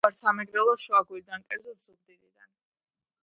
მე ვარ სამგრელოს შუაგულიდან, კერძოდ ზუგდიდიდან.